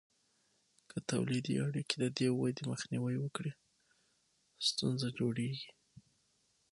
که تولیدي اړیکې د دې ودې مخنیوی وکړي، ستونزه جوړیږي.